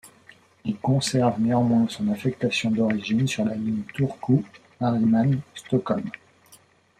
Il conserve néanmoins son affectation d'origine sur la ligne Turku - Mariehamn - Stockholm.